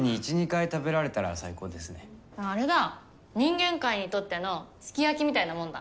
あれだ人間界にとってのすき焼きみたいなもんだ。